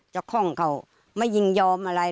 เจ้าข้องเขาไม่ยิงยอมอะไร